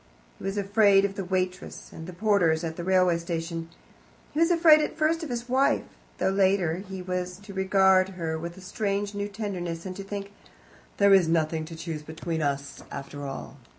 He was afraid of the waitress and the porters at the railway station. He was afraid at first of his wife, though later he was to regard her with a strange new tenderness, and to think, "There is nothing to choose between us, after all."